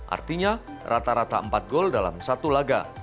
artinya rata rata empat gol dalam satu laga